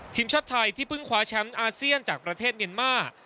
ทีมชาติไทยที่เพิ่งคว้าแชมป์อาเซียนจากประเทศเมียนมาร์